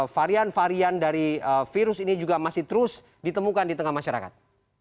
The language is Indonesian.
varian varian dari virus ini juga masih terus ditemukan di tengah masyarakat